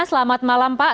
selamat malam pak